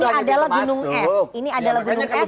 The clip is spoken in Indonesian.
ini adalah gunung s